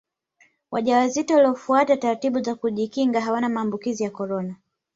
wajawazito waliyofuata taratibu za kujikinga hawana maambukizi ya korona